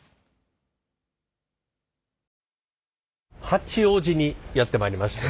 八王子にやって参りまして。